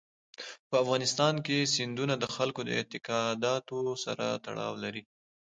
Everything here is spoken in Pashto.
په افغانستان کې سیندونه د خلکو د اعتقاداتو سره تړاو لري.